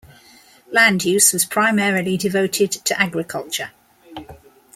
Land use was primarily devoted to agriculture.